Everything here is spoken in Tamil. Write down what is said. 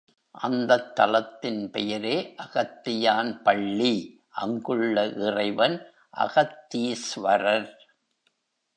அந்தத் தலத்தின் பெயரே அகத்தியான் பள்ளி, அங்குள்ள இறைவன் அகத்தீஸ்வரர்.